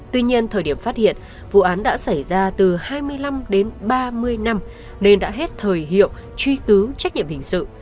tuy nhiên thời điểm phát hiện vụ án đã xảy ra từ hai mươi năm đến ba mươi năm nên đã hết thời hiệu truy cứu trách nhiệm hình sự